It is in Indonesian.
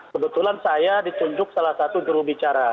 kebetulan saya ditunjuk salah satu jurubicara